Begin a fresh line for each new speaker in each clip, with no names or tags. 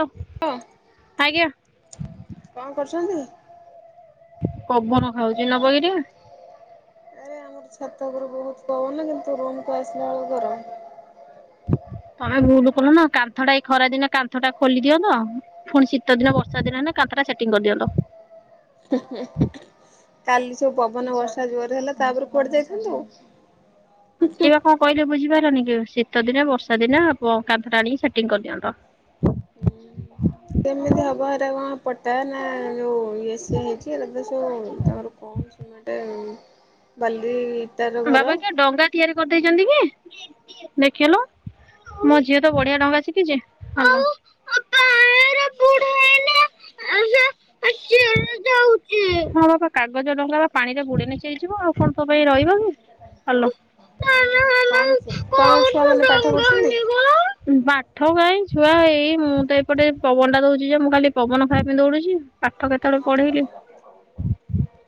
Hello, ଆଜ୍ଞା।
କଣ କରୁଛନ୍ତି?
ପବନ ଖାଉଛି ନବକି ଟିକେ।
ଆରେ ଆମର ଛାତ ଘରୁ ବହୁତ କହୁନ କିନ୍ତୁ ରୁମ କୁ ଆସିଲା ବେଳୁ ଗରମ୍।
ତମେ ଭୁଲ କଲ ନା କାନ୍ଥ ଟା ଏଇ ଖରାଦିନ କାନ୍ଥ ଟା ଖୋଲି ଦିଅନ୍ତ। ଫୁଣି ଶୀତ ଦିନ ବର୍ଷା ଦିନ ହେନେ କାନ୍ଥ ଟା ସେଟିଂ କରିଦିଅନ୍ତ।
କାଲି ସବୁ ପବନ ବର୍ଷା ଜୋର ହେଲା ତାପରେ କୁଆଡେ ଯାଇଥାନ୍ତୁ।
ସେଇ କଣ କହିଲେ ବୁଝିପାରିଲନି କି ଶୀତ ଦିନେ ବର୍ଷା ଦିନି ଆ କାନ୍ଥଟା ଆଣିକି ସେଟିଂ କରିଦିଅନ୍ତ।
ହୁଁ। କେମିତି ହବ ହେରା କଣ ପଟ ତାହାନେ ଯଉଁ ଇଏ ସ ହେଇଛି ଲ ସୁ ତାମର କଣଟେ ବାଲି। ଇଟାର ଘର।
ବାବା
ହୁଁ
କିଏ ଡଙ୍ଗା ତିଆରି କରିଦେଇଛନ୍ତି କି ଦେଖିଲୁ? ମୋ ଝିଅ ତ ବଢିଆ ଡଙ୍ଗା ଶିଖିଛି, [unintelligible]
[unintelligible]
ହେ ଚିରି ଯାଉଛି, ହଁ ବାପା କାଗଜ ଡଙ୍ଗା ବା ପାଣି ରେ ଗୁଡେ ନେଇଚଯିବ ଆଉ କଣ ତୋ ପାଇଁ ରହିବ କି? ହ୍ୟାଲୋ।
ହୁଁ କଣ ସେ କଣ ଛୁଆ ମାନେ ପାଠ ପଢୁଛନ୍ତି?
ପାଠ କାହିଁ ଛୁଆ ହେଇ ମୁଁ ତ ଏପଟେ ପବନ ଟା ଦଉଛି ଯେ ମୁଁ ଖାଲି ପବନ ଖାଇବା ପାଇଁ ଦଉଡୁଛି। ପାଠ କେତେବେଳେ ପଢେଇଲିି।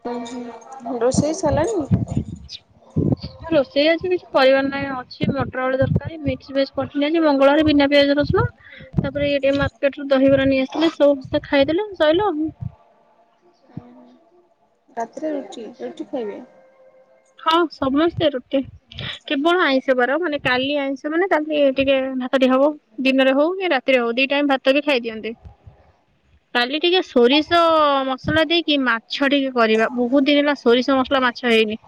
ହଁ ହୁଁ ରୋଷେଇ ସଇ ଲାଣିି?
ରୋଷେଇ ଆଜି କିଛି କରିବାର ନାହିଁ, ଅଛି ମଟର ଆଳୁ ତରକାରୀ ମିକସ ଭେଜ ପନି [unintelligible] ମଙ୍ଗଳବାରେ ବିନା ପିଆଜରସୁଣ। ତାପରେ ଏଇ ଟିକେ ମାର୍କେଟରୁ ଦହିବରା ନେଇ ଆସିଥିଲେ ସୁମସ୍ତେ ଖାଇଦେଲେ ସଇଲା ଆଉ।
ହୁଁ ହୁଁ। ରାତିରେ ରୁଟି, ରୁଟି ଖାଇବେ?
ହଁ ସମସ୍ତେ ରୁଟି କେବଳ ଆଇଁଷ ବାର ମାନେ କାଲି ଆଇଁଷ ମାନେ ତାହେଲେ ଟିକେ ଭା ତ ଟେ ହବ ଦିନରେ ହଉ କି ରାତିରେ ହଉ ଦି ଟାଇମ ଭାତ ବି ଖାଇ ଦିଅନ୍ତି।
[inaudible]
କାଲି ଟିକେ ସୋରିଷ ମସଲା ଦେଇକି ମାଛ ଟିକେ କରିବା, ବହୁତ ଦିନି ହେଲା ସୋରିଷ ମସଲା ମାଛ ହେଇନି।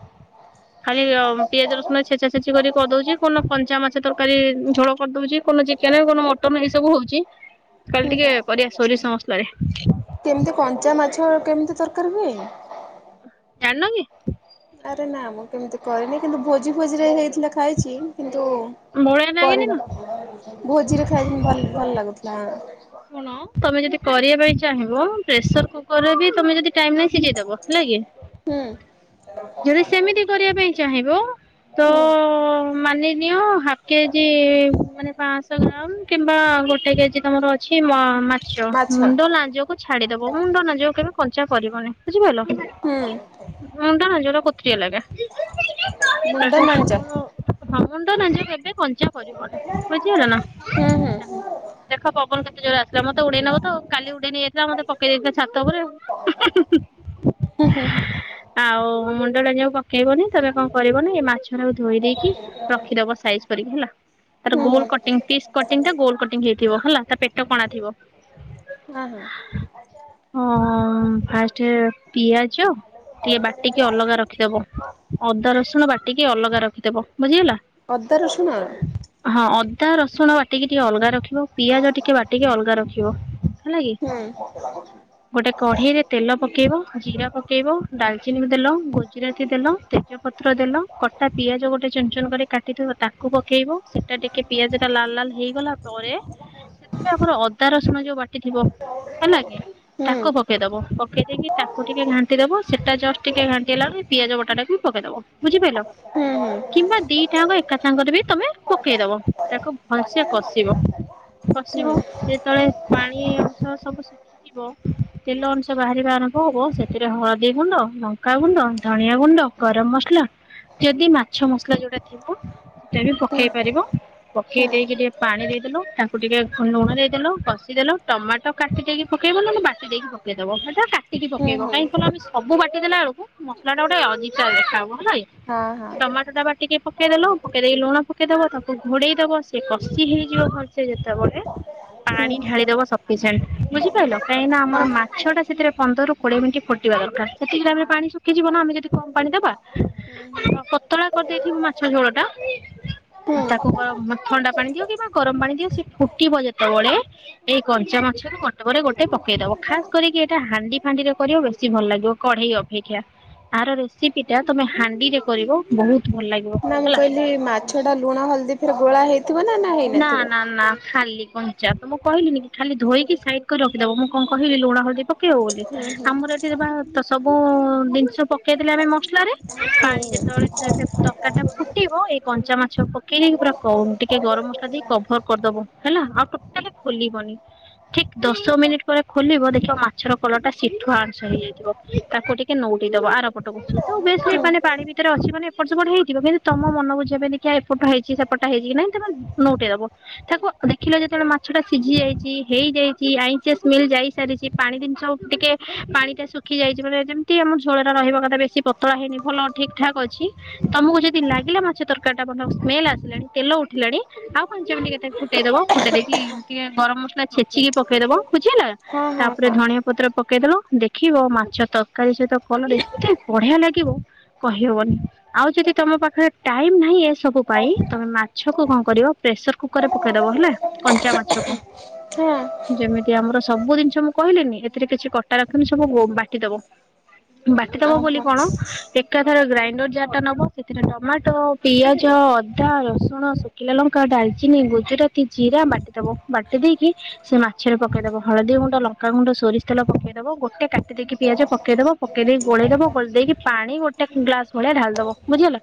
ଖାଲି ଅ ପିଆଜ ରସୁଣ ଛେଚାଛେଚି କରି କରି ଦଉଛି, କଉଦିନ କଞ୍ଚା ମାଛ ତରକାରୀ ଝୋଳ କରିଦଉଛି, କଉଦିନ ଚିକ ଚିକେନ କଉଦିନ ମଟନ ଏଇ ସବୁ ହଉଛି,
ହୁଁ
କାଲି ଟିକେ କରିବା ସୋରିଷ ମସଲାରେ।
କେମିତି କଞ୍ଚା ମାଛ କେମିତି ତରକାରୀ ହୁଏ?
ଜାଣିନକି?
ଆରେ ନା ମୁଁ କେମିତି କରିନି କିନ୍ତୁ ଭୋଜି ଭୋଜିରେ ହେଇଥିଲା ଖାଇଛି, କିନ୍ତୁ
ବଢିଆ ଲାଗେନି
କରିନି।
ନା
ଭୋଜିରେ ଖାଇବିନି ଭଲ ଭଲ ଲାଗୁଥିଲା।
କଣ ତମେ ଯଦି କରିବା ପାଇଁ ଚାହିଁବ ପ୍ରେସର କୁକର ରେ ବି ତମେ ଯଦି ଟାଇମ୍ ନାଇଁ ସିଜେଇଦବ ହେଲା କି?
ହୁଁ।
ଯଦି ସେମିତି କରିବା ପାଇଁ ଚାହିଁବ ତ
ହୁଁ।
ମାନିନିଅ ହାଫ୍ କେଜି ମାନେ ପାଆଶହ ଗ୍ରାମ କିମ୍ବା ଗୋଟେ କେଜି ତମର ଅଛି ମ ମାଛ ମୁଣ୍ଡ, ଲାଞ୍ଜ ଛାଡିଦବ ମୁଣ୍ଡ ଲାଞ୍ଜ କୁ କଞ୍ଚା କରିବନି ବୁଝିପାରିଲ
ହୁଁ
ମୁଣ୍ଡ ଲାଞ୍ଜକୁ ଲ ତାମୁଣ୍ଡବେ
ମୁଣ୍ଡ ନାଞ୍ଜ
କ [unintelligible] କରିବନି ବୁଝିଗଲା ନା
ହୁଁ ହୁଁ
ତାକୁ ଦେଖ ପବନ କେତେ ଜୋର ଆସୁ ସେ ମତେ ଉଡେଇ ନବ ତ କାଲି ଉଡେଇ ନେଇଯାଇଥିଲା ମତେ ପକେଇ ଦେଇାଇଥିଲା ଛାତ ଉପରେ ଆଉ ହୁଁ ହୁଁ ହୁଁ।
ହୁଁ ହୁଁ।
ଆଉ ମୁଣ୍ଡ ଲାଞ୍ଜ କୂ ପକେଇବନି ତମେ କଣ କରିବ ନା ଏ ମାଛ ଟାକୁ ଧୋଇ ଦେଇକି ରଖିଦବ ସାଇଜ କରିକି ହେଲା। ତାର
ହୁଁ ହୁଁ
ଗୋଲ୍ କଟିଙ୍ଗ୍ ପିସ୍‌କଟିଙ୍ଗ୍ ଟା ଗୋଲ କଟିଙ୍ ହେଇଥିବ ହେଲା ତା ପେଟ କଣା ଥିବ।
ହଁ ହଁ।
ହଁ ଫାଷ୍ଟ ପିଆଜ ଟିକେ ବାଟିକି ଅଲଗା ରଖିଦବ। ଅଦା ରସୁଣ ବାଟିକି ଅଲଗା ରଖିଦବ ବୁଝିଗଲା?
ଅଦା ରସୁଣ
ହଁ ଅଦା ରସୁଣ ବାଟିକି ଟିକେ ଅଲଗା ରଖିବ। ପିଆଜ ଟିକେ ବାଟିକି ଅଲଗା ରଖିବ ହେଲା କି
ହୁଁ ହୁଁ।
ଗୋଟେ କଢେଇରେ ତେଲ ପକେଇବ ଜିରା ପକେଇବ ଡାଲ ଚିନି ଦେଲ ଗୁଜୁରାତି ଦେଲ ତେଜ ପତ୍ର ଦେଲ କଟା ପିଆଜ ଗୋଟେ ଚୁନ୍ଚୁ ଚୁନ୍‌ କରି କାଟିଥିବ ତାକୁ ପକେଇବ ସେଇଟା ଟିକେ ପିଆଜ ଟା ଲାଲ ଲାଲ ହେଇଗଲା ପରେ ସେଥିରେ ଆମର ଅଦା ରସୁଣ ଯୋଉ ବାଟିଥିବ ହେଲା କି
ହୁଁ
ତାକୁ ପ ପକେଇଦବ ପକେଇ ଦେଇେଇକି ତାକୁ ଟିକେ ଘାଣ୍ଟିଦବ ସେଇଟା ଜଷ୍ଟ ଟିକେ ଘାଟି ହେଲା ପିଆଜ ବୋଟା ଟାକୁ ପକେଇଦବ ବୁଝି ପାଇଲ।
ହୁଁ ହୁଁ
କିମ୍ବା ଦିଟାଙ୍କ ଏକା ସାଙ୍ଗରେ ବି ତମେ ପକେଇ ଦବ ତାକୁ ଭଇସ କଷିବ।
ହୁଁ
ଖସିବ
ହୁଁ।
ଯେତେବେଳେ ପାଣି ଅଂଶ ସବୁ। ଙ୍କ ହଁ ପକେଇ ତେଲ ଅଂଶ ବାହାରିବା ଆରମ୍ଭ ହବ ସେଥିରେ ହଳଦୀ ଗୁଣ୍ଡଲକ ଲଙ୍କାଗୁଣ୍ଡ ଧଣିଆ ଗୁଣ୍ଡ ଗରମ ମସଲା ଯଦି ମାଛ ମସଲା ଯୋଉଟା ଥିବ। ସେ ବି ପକେଇ ପାରିବ ପ ଖି ଦେଇକି ଟିକେ ପାଣି ଦେଇଦେଲୁ ତାକୁ ଟିକେ ଲୁଣ ଦେଇଦେଲୁ କଷିଦେଲୁ ଟମାଟୋ କାଟି ଦେଇକି ପକେଇବ ନହେଲେ ବାଟି ଦେଇକି ପେକେଇଦବ ହେଟା କାଟିକି
ହୁଁ ହୁଁ ହଁ ହଁ
ପକେଇବ
ହୁଁ
କାହିଁକି କଇଲସବୁ ବାଟିଦେଲେ ଆଳକୁ ମସଲା ଟା ଗୋଟେ [unintelligible] ହବ ହେଲା ଇ ଟମା ସେଟା ବାଟିକି ପକେଇଦେଲୁ ପକେଇ ଦେଇ ଲୁଣ ପକେଇଦବ ତାପ ଘୋଡେଇ ଦବ ସେ କଷି ହେଇଯିବ ଭଲ ସେ ଯେତେବେଳେ ପାଣି ଢାଳିଦବ ସବୁ କେଜାଣି ବୁଝିପାରିଲ କାହିଁକି ନା
ହଁ
ଆମର
ହଁ
ମାଛଟା ସେଥିରେ ପନ୍ଦରରୁ କୋଡିଏ ମିନିଟ୍ ଫୁଟିବା ଦରକାର ସେତିକି୍ରେ ପାଣି ଶୁଖିଯିବ ନା ଆମେ ଯଦି କମ୍ ପାଣି ଦବା
ହୁଁ ହୁଁ
ହଁ ପତଳା କରିଦେଇଥିବୁ ମାଛ ଝୋଳ ଟା
ହୁଁ।
ତାକୁ କଅ ଥଣ୍ଡା ପାଣି ଦିଅ କିମ୍ବା ଗରମ ପାଣି ଦିଅ ସେ ଫୁଟିବ ଯେତେବେଳେ ଏଇ କଞ୍ଚା ମାଛକୁ ଗୋଟେ ପେଇଦବ ଖାସ୍ କରିକି ଏଇଟା ହାଣ୍ଡି ଫାଣ୍ଡି ରେ କରିବ ବେଶୀ ଭଲ ଲାଗିବ କଢେଇ ଅପେ। ଆ ରେସିପି ଟା ତମେ ହାଣ୍ଡିରେ କରିବ ବହୁତ ଭଲ ଲାଗି
ନା ମୁଁ କଇଲି ମାଛ ଟା ଲୁଣ ହଳଦୀ ଫେରେ ଗୋଳା ହେଇ
ନା ନା ନା ଖାଲି କଣ। ଚାପ୍ ମୁଁ କହିଲିନିକି ଖାଲି ଧୋଇକି ସାଇଡ କରି ରଖିଦବ ମୁଁ କଣ କିବିୁଣ ହଳଦୀ ପକେଇବ ବୋଲି।
ହୁଁ ହୁଁ
ଆମର ଏଠି ବା ସବୁ ଜିନିଷ ପକେଇଥିଲେ ଆମେ ମସଲା ରେ
ହୁଁ
ପାଣି ଯେତେବେଳେ ଥିଲା ସେତ ତରକାରୀ ଫୁଟିବ ଏଇ କଞ୍ଚା ମାଛ ପକେଇକି ପୁରା କ ଟେ ଟିକେ ଗରମ ମସଲା ଦେଇ କଭର କରିଦବ ହେଲା ଆଉ ଟୋଟାଲି ଖୋଲିବନି। ଠିକ ଦଶ ମିନିଟ୍ ପରେ ଖୋଲିବ ଦେଖିବ ମାଛର କଲରଟା ଶିଠୁ ଆଂସ ହେଇଯାଇଥିବ। ତାକୁଟିକେ ନଉଟେଇ ଦବ ଆର ପଟକୁ ବେଶ
ହୁଁ
ମାନେ ପାଣି ଭିତରେ ଅଛି ମାନେ ଏପଟ ସେପଟ ହେଇଥିବ କିନ୍ତୁ ତମ ମନବୁଝିବା ପାଇଁଦେଖିଆ ଏପଟ ହେଇଛି ସେପଟା ହେଇଛି କି ନାଇଁ ତମେ ନୋଟେଇ ଦବ। ତାକୁ ଦେଖିଲ ଯେତେବେଳେ ମାଛ ଟା ସିଝି ଯାଇଛି ହେଇଯାଇଛି ଆଁଇସିଆ ଶ୍ମେଲ ଯା ସାରିଛି ପାଣି ଜିନିଷ ଟିକେ ପାଣି ଟା ଶୁଖି ଯାଇଛି ମାନେ ଯେମିତି ଆମ ଝୋଳରେ ରହିବା କଥା ବେଶି ପତଳା ହେଇନି ଭଲ ଠିକ ଠାକ୍ ଅଛି ତମକୁ ଯଦି ଲାଗିଲା ମାଛ ତରକାରୀ ଟା ଭଲ ସ୍ମେଲ ଆସିଲାଣି ତେଲ ଉଠିଲାଣି ଆଉ ପାଞ୍ଚ ମିନିଟ୍ ଟିକେ ଫୁଟେଇ ଦବ ଫୁଟେଇ ଦେଇକି ଟିକେ ଗରମ ମସଲା ଛେଚିକି ପକେଇଦବ ବୁଝିହେଲା।
ହଁ ହଁ
ତାପରେ
ହଁ
ଧଣିଆ ପତ୍ର ପକେଇଦେଲ ଦେଖିବ ମାଛ ତରକାରୀ ସହିତ କଲେ ଏତେ ବଢିଆ ଲାଗିବ କହିହବନି ଆଉ ଯଦି ତମ ପାଖରେ ଟାଇମ ନାହିଁ ଏସବୁ ପାଇଁ ତମେ ମାଛକୁ କଣ କରିବ ପ୍ରେସର କୁକର ରେ ପକେଇଦବ ହେଲା କଞ୍ଚା ମାଛକୁ
ନା।
ଯେମିତି ଆମର ସବୁ ଜିନିଷ ମୁଁ କହିଲିିନି ଏଥିରେ କିଛି କଟା ରଖୁନି ସବୁ ବାଟିଦବ। ବାଟିଦବ
ଓହୋ
ବୋଲି
ହଁ।
କଣ? ଏକାଥରେ ଗ୍ରାଇଣ୍ଡର ଯାରଟା ନବ ସେଥିରେ ଟମାଟୋ ପିଆଜ ଅଦା ରସୁ ଣ ଶୁଖିଲା ଲଙ୍କା ଡାଲଚିନି ଗୁଜୁରାତି ଜିରା ବାଟିଦବ ବାଟି ଦେଇକି ସେ ମାଛ ରେ ପକେଇଦବ ହଳଦୀ ଗୁଣ୍ଡ ଲଙ୍କା ଗୁଣ୍ଡ ସୋରିଷ ତେଲ ପକେଇଦବ ଗୋଟେ କାଟିଦେଇକି ପିଆଜ ପକେଇ ଦବ ପକେଇ ଦେଇକି ଗୋଳେଇ ଦବ ଗୋଳେଇ ଦେଇକି ପାଣି ଗୋଟେ ଗ୍ଲାସ ଭଳିଆ ଢାଳି ଦବ ବୁଝି ହେଲା।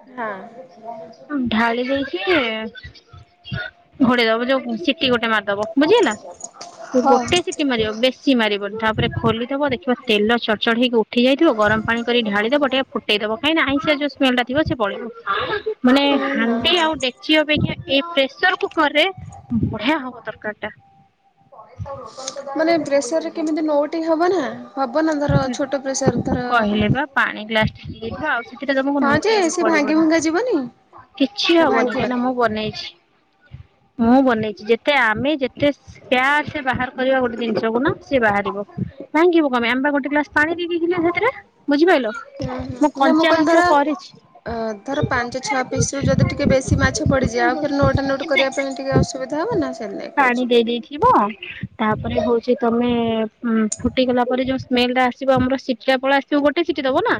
ହଁ। [inaudible]
ଢାଳି ଦେଇଚି ଘୋଡେଇ ଦବ ଯୋଉ ସିଟି ଗୋଟେ ମାରିଦବ ବୁଝି ହେଲା। ସେ
ହଁ ହଁ
ଗୋଟେ ସିଟି ମାରିବ ବେଶି ମାରିବନି। ତାପରେ ଖୋଲିଦବ ଦେଖିବ ତେଲଚଡ ଚଡ ହେଇକି ଉଠି ଯାଇଥିବ ଗରମ ପାଣି କରି ଢାଳିଦବ ଟିକେ ଦେଇଦବ କାଇଁ ନା ଆଇଁସିଆ ଯୋଉ ସ୍ମେଲ ଟା ଥିବ ସେ ପଳେଇବ ମାନେ ହାଣ୍ଡି
ହଁ
ଆଉ ଡେକ୍ଚି ଅପେକ୍ଷା ଏ ପ୍ରେସର କୁକର ରେ ବଢିଆ ହବ ତରକାରୀ ଟା।
ପ [inaudible] ମାନେ ପ୍ରେସରରେ କେମିତି ନଉଟେଇହବ ନା ହବ ନା ଧର ଛୋଟ ପ୍ରେସର ଧର
କହିଲେ ବା ପାଣି ଗ୍ଲାସ ଟେ ନେଇଥାଅ ସେତେଟା ତମକୁ
ହଁ ଯେ
ନଉଟେଇବାକୁ
ସେ ଭାଙ୍ଗି
ପଡିବନି।
ଭୁଙ୍ଗା ଯିବନି
କିଛି
ନା
ହବନି କାଇଁ ନା
ଭାଙ୍ଗିବନି?
ମୁଁ ବନେଇଛି
ହୁଁ
ମୁଁ ବନେଇଚି। ତେ ଆମେ ଯେତେ ପ୍ୟାର୍ ସେ ବାହାର କରିବା ଗୋଟେ ଜିନିଷକୁ ନା ସେ ବାହାରିବ ଭାଙ୍ଗିବ କଣ ପାଇଁ। ଗୋଟେ ଗ୍ଲାସ ପାଣି ଦେଇଥିଲି ସେଥିରେ ବୁଝିପାଇଲ ମୁଁ
ହୁଁ ନା
କଞ୍ଚା
କହିଲି ଧର
ମାଛ କରିଚି।
ଅ ଧର ପାଞ୍ଚ ଛଅ ପିସ ରୁ ଯଦି ଟିକେ ବେଶୀ ମାଛ ପଡିଯାଏ ଆଉ ଫେର ନଉଟା ନଉଟି କରିବା ପାଇଁ ଟିକେ ଅସୁବିଧା ହବ ନା ସେ ସେଥି ଲାଗି କହୁଚି।
ଯିବ ତାପରେ ହଉଛି ତମେ ଉ ଫୁଟି ଗଲା ପରେ ସ୍ମେଲ ଟା ଆସିବ ଆମର ସିଟିଟା ଲାଷ୍ଟ ବେଳକୁ ଗୋଟେ ସିଟି ଦବ ନା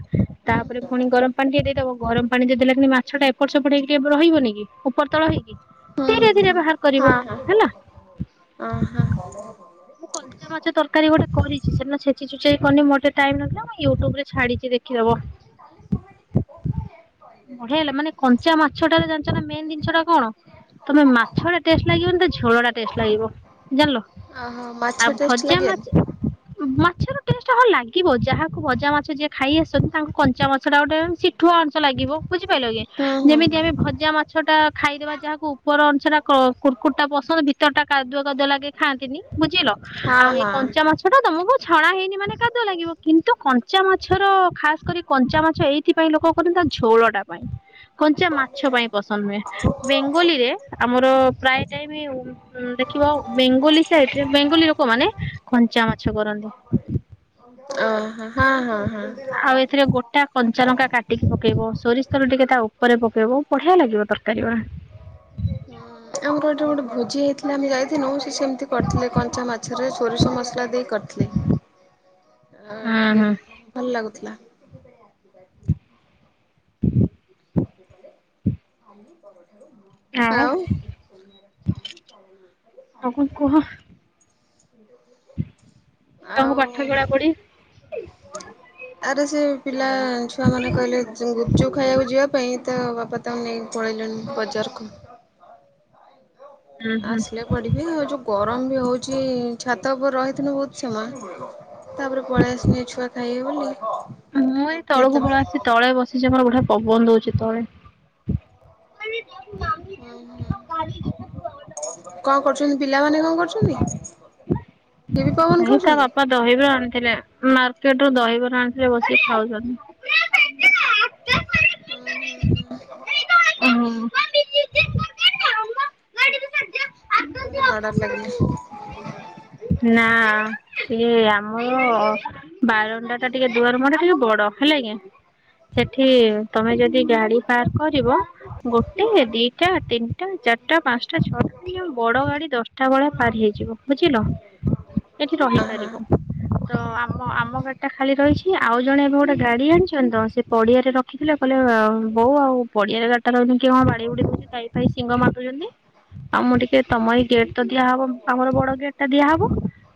ତା
ହୁଁ
ପରେ ଫୁଣି ଗରମ ପାଣି ଟିକେ ଦେଇ ଦବ। ଗରମ ପାଣି ଯଦ ଦେଲେ କି ମାଛ ଟା ଏପଟ ସେପଟ ହେଇକି ରହିବନି କି ଉପର ତଳ ହେଇକି
ହୁଁ
ଧୀରେ ଧୀରେ ବାହାର କରିବ
ହଁ ହ
ହେଲା।
ହଁ ହ ହଁ ହଁ।
ମୁଁ କଞ୍ଚାମାଛ ତରକାରୀ ଗୋଟେ କରିଚି ସେଟା [inaudible] ମତେ ଟାଇମ ନଥିଲା ମୁଁ ୟୁଟ୍ୟୁବ୍ ରେ ଛାଡ଼ିଚି ଦେଖି ଦବ।
କାଲି ସମୟେ ଟିକେ ବହୁ
ବଢିଆ ହେଲା ମାନେ କଞ୍ଚା ମାଛ ଟାରେ ଜାଣିଛ ନା ମେନ ଜିନିଷ ଟା କଣ ତମେ ମାଛ ଟା ଟେଷ୍ଟ ଲାଗିବନି ତା ଝୋଳ ଟା ଟେଷ୍ଟ ଲାଗିବ ଜାଣିଲ।
ଓହୋ ମାଛ
ଆଉ
ଟେଷ୍ଟ
ଭଜା
ଲାଗିବନି?
ମାଛ ମାଛର ଟେଷ୍ଟ ଲାଗିବ ଯାହାକୁ ଭଜା ମାଛ ଯିଏ ଖାଇ ଆସିଚି ତାଙ୍କୁ କଞ୍ଚା ମାଛ ଟା ଗୋଟେ ସିଠୁଆ ଅଂଶ ଲାଗିବ ବୁଝିପାରିଲ କି
ହୁଁ ହୁଁ
ଯେମିତି
ହୁଁ
ଆମେ ଭଜା ମାଛ ଟା ଖାଇଦେବା ଯାହାକୁ ଉପର ଅଂଶଟା କୁର୍କୁଟ ଟା ପସନ୍ଦ ଭିତର ଟା କାଦୁଆ କାଦୁଆ ଲାଗେ ଖାଆନ୍ତିନି ବୁଝିଲ
ହଁ
ଆଉ ଏଇ
ହଁ
କଞ୍ଚା ମାଛ ସେଟା ତମକୁ ଛଣା ହେଇନି ମାନେ କାଦୁଅ ଲାଗିବ କିନ୍ତୁ କଞ୍ଚା ମାଛର ଖାସ୍ କରି କଞ୍ଚା ମାଛ ଏଇ ସେଥିପାଇଁ ଲୋକ କରନ୍ତି ତା ଝୋଳଟା ପାଇଁ। କଞ୍ଚା ମାଛ ପାଇଁ ପସନ୍ଦ ନୁହେ। ବେଙ୍ଗଲୀରେ ଆମର ପ୍ରାୟ ଟାଇମ୍ ଉଁ ଦେଖିବ ବେଙ୍ଗୋଲି ସାଇଟ୍ ରେ ବେଙ୍ଗଲୀ ଲୋକମାନୋନେ କଞ୍ଚା ମାଛ କରନ୍ତି।
ଓ ହଁ ହଁ ହଁ ହୁଁ
ଆଉ ଏଥିରେ ଗୋଟ ତା କଞ୍ଚା ଲଙ୍କା କାଟିକି ପକେଇବୁ ସୋରିଷତେଲ ଟିକେ ତା ଉପରେ ପକେଇବୁ ବଢିଆ ଲାଗିବ ତରକାରୀ ଉରା।
ଉଁ ଆମର ଗୋଟେ ଗୋଟେ ଭୋଜି ହେଇଥିଲା ଆମେ ଯାଇଥିନୁ ସେ ସେମିତି କରିଥିଲେ କଞ୍ଚା ମାଛରେ ସୋରିଷ ମସଲା ଦେଇ କରିଥିଲେ। ଆଁ
ହୁଁ
ଟିକେ
ହୁଁ।
ଭଲ ଲାଗୁଥିଲା। ପରଠାରୁ ହଁ।
ଆଉ ଆଉ କଣ କୁହ?
[unintelligible]
ଛୁଆ ଙ୍କ ପାଠ ପଢା ପଢି
ହଁ ସେ [unintelligible] ଆରେ ସେ ପିଲା ଛୁଆମାନେ କହିଲେ ଗୁପଚୁପ ଖାଇବାକୁ ଯିବା ପାଇଁ ତ ବାପା ତାଙ୍କୁ ନେଇକି ପଳେଇଚନ୍ତି ବଜାରକୁ।
ହୁଁ ହୁଁ।
ଆସିଲେ ପଢ଼ିବେ ଆଉ ଯୋଉ ଗରମ ବି ହଉଛି ଛାତ ଉପରେ ରହିଥିଲୁ ବହୁତ ସମୟ ତାପରେ ପଳେଇ ଆସଲି ଏ ଛୁଆ ଖାଇବେ ବୋଲି।
ମୁଁ ଏ
ତାପରେ
ତଳକୁ
ଫେର
ପଳେ
ହୁଁ
ଆସିଚି ତଳେ ବସିଚି ଆମର ବଢିଆ ପବନ ଦଉଚି ତଳେ।
ଉଁ ହୁଁ। କଣ କରୁଚନ୍ତି ପିଲାମାନେ କଣ କରୁଚନ୍ତି?
ନାଇଁ ତା ବାପା ଦହିବରା ଆଣିଥିଲେ ମାର୍କେଟ ରୁ ଦହିବରା ଆଣିଥିଲେ ବସିକି ଖାଉଛନ୍ତି।
ଉଁ ହୁଁ ହୁଁ ହୁଁ।
[unintelligible]
ଆରେ ମାଡ ଗୋଳ ଲାଗିଲେ।
ନା ସିଏ ଆମର ବାରଣ୍ଡା ଟା ଟିକେ ଦୁଆର ମୁହଁ ଟା ବଡ଼ ହେଲା କି? ସେଠି
ହୁଁ ହୁଁ
ତମେ ଯଦି ଗାଡି ପାର୍କ କରିବ ଗୋଟେ, ଦିଟା, ତିନିଟା, ଚାରିଟା, ପାଞ୍ଚଟା, ଛଅଟା [unintelligible] ବଡ ଗାଡ଼ି ଦଶ ଟା ଭଳିଆ ପାରି ହେଇଯିବ ବୁଝିଲ? ଏଠି
ହଁ ହଁ।
ରହିପାରିବ। ତ ଆମ ଆମ ଗାଡ଼ି ଟା ଖାଲି ରହିଚି ଆଉ ଜଣେ ଏବେ ଗୋଟେ ଗାଡି ଆଣିଛନ୍ତି ତ ସେ ପଡିଆରେ ରଖ [unintelligible] କହିଲେ ବୋଉ ଆଉ ପଡିଆରେ ଗାଡ଼ିଟା ରହିଲେ କିଏ କଣ ବାଡେଇ ବୁଡ଼ି ଦଉଚି ତାଇ ଗାଈ ସିଂଘ ମାଦଉଛନ୍ତି ଆଉ ମୁଁ ଟିକେ ତମ ଏଇ ଗେଟ୍ ତ ଦିଆହବ ଆମର ବଡ ଗେଟ୍ ଟା ଦିଆହବ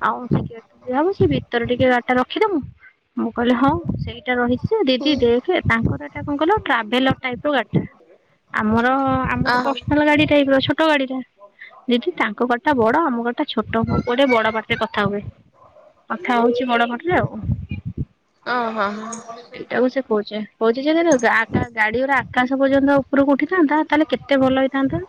ଆଉ ସେ ଗେଟ ଦିଆ ହବ ସେ ଭିତରେ ଟିକେ ଗା ଡିଟା ରଖିଦବୁ। ମୁଁ କହିଲି ହଁ ସେଇଟା ରହିଛି ଦିଦି
ହୁଁ
ଦେଖେ ତାଙ୍କର ଏଟା କଣ କଇଲ ଟ୍ରାଭେଲର ଟାଇପ ର ଗାଡି ଟା ଆମର ଆମର
ଅହ
ପର୍ସନାଲ ଗାଡି ଟାଇପ ର ଛୋଟ ଗାଡି ଟା ଦିଦି ତାଙ୍କ ଗାଡ଼ି ଟା ବଡ଼ ଆମ ଗାଡ଼ି ଟା ଛୋ ଛୋଟ ପୁ ପାଅଟେ ବଡ ପାଟିରେ କଥା ହୁଏ। କଥା ହଉଚି ବଡ ପାଟିରେ ଆଉ।
ଅ ହଁ
ସେଇଟା କୁ ସେ କହୁଚି କହୁଚି ଯଦି ଗା ଗାଡି ଉରା ଆକାଶ ପର୍ଯ୍ୟନ୍ତ ଉପରକୁ ଉଠିଥାନ୍ତା ତାହେଲେ କେତେ ଭଲ ହେ ଥାନ୍ତା।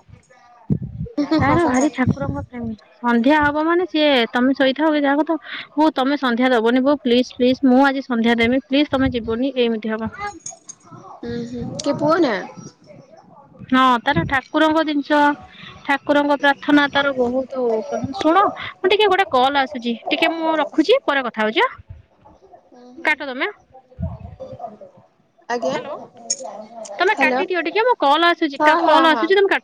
ହୁଁ
ତାର ଭାରି
ହୁଁ
ଠାକୁରଙ୍କ ପ୍ରେମୀ। ସନ୍ଧ୍ୟା ହବ ମାନେ ସିଏ ତମେ ଶୋଇ ଥାଅ କି ଯାହା କଉଥାଅ, ବୋଉ ତମେ ସନ୍ଧ୍ୟା ଦବନି ବୋଉ ପ୍ଲିଜ୍ ପ୍ଲିଜ୍ ମୁଁ ଆଜି ସନ୍ଧ୍ୟା ଦେବି ପ୍ଲିଜ୍ ତମେ ଯିବନି, ଏମିତି ହବ।
ହୁଁ, ତୋ ପୁଅ ନା?
ହଁ, ତାର ଠାକୁରଙ୍କ ଜିନିଷ ଠାକୁରଙ୍କ ପ୍ରାର୍ଥନା ତାର ବହୁତୁ। ଶୁଣ ମୁଁ ଟିକେ ଗୋଟେ କଲ୍ ଆସୁଛି ଟିକେ ମୁଁ ର ଖୁଚି, ପରେ କଥା ହଉଚି, ଆଁ?
ହୁଁ, ହୁଁ। କେ କରି ଦବ।
ହ୍ୟାଲୋ। ତମେ କାଟିଦିଅ ଟିକେ ମୋ କଲ୍ ଆସୁଚି।
ହଁ ହଁ
କଲ୍
ହଁ।
ଆସୁଚି ତମେ କା